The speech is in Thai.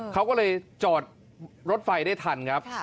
เขาก็เลยจอดรถไฟได้ทันครับ